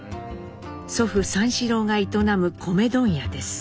祖父三四郎が営む米問屋です。